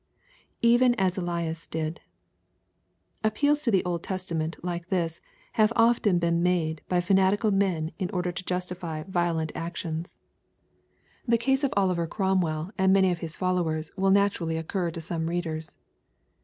[JSven as Elias did.] Appeals to the Old Testament, like this, have often been made by fanatical men in o: der to justify violent LUKE, CHAP. IX. 337 tictions. The case of Oliver Cromwell and many of Lis iolloweni will naturally occur to some readers.